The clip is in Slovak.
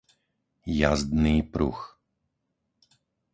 jazdný pruh